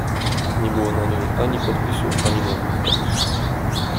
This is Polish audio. "Nie było na niej ani podpisu ani nagłówka."